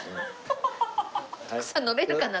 徳さん飲めるかな？